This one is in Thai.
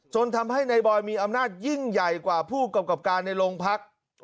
ทำให้นายบอยมีอำนาจยิ่งใหญ่กว่าผู้กำกับการในโรงพัก